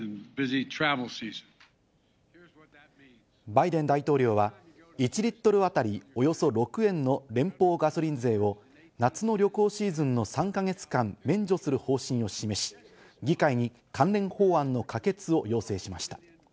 バイデン大統領は１リットル当たりおよそ６円の連邦ガソリン税を夏の旅行シーズンの３か月間、免除する方針を示し、議会に関連法案の可決を要請しました。